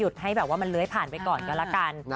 จงได้สอยดให้มันเล้ยผ่านไปก่อนก็แล้วกัน